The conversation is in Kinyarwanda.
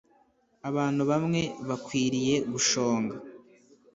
abantu bamwe bakwiriye gushonga.